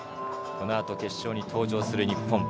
このあと決勝に登場する日本。